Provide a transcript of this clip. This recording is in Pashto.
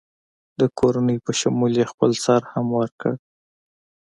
د کورنۍ په شمول یې خپل سر هم ورکړ.